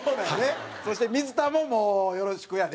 そして、水田ももう、よろしくやで。